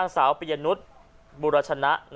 สาวปียนุษย์บุรชนะ